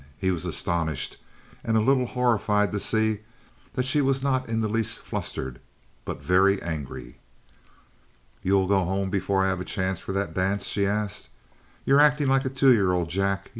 He was astonished and a little horrified to see that she was not in the least flustered, but very angry. "You'll go home before I have a chance for that dance?" she asked. "You're acting like a two year old, Jack.